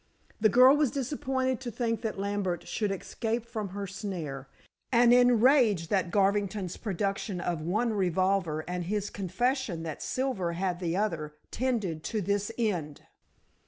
The girl was disappointed to think that Lambert should escape from her snare, and enraged that Garvington's production of one revolver and his confession that Silver had the other tended to this end.